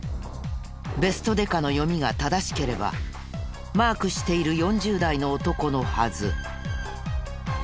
ベストデカの読みが正しければマークしている４０代の男のはず。